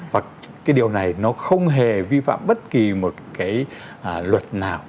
và cái điều này nó không hề vi phạm bất kỳ một cái luật nào